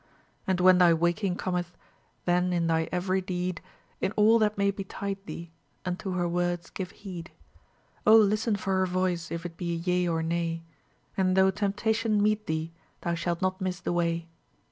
And when thy waking cometh, Then in thy every deed, In all that may betide thee, Unto her words give heed. Oh, listen for her voice, If it be yea or nay; And though temptation meet thee, Thou shalt not miss the way.